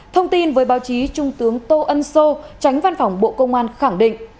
thông tin với báo chí trung tướng tô ân sô tránh văn phòng bộ công an khẳng định